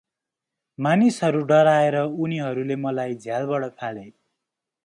मानिसहरू डराएर उनीहरूले मलाई झ्यालबाट फाले ।”